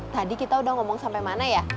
tadi kita udah ngomong sampai mana ya